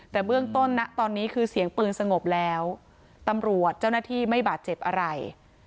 แต่เบื้องต้นนะตอนนี้คือเสียงปืนสงบแล้วตำรวจเจ้าหน้าที่ไม่บาดเจ็บอะไร